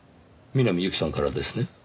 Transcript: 南侑希さんからですね？